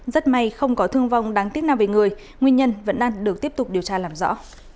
rất may không có thương vong đáng tiếc nào về người nguyên nhân vẫn đang được tiếp tục điều tra làm rõ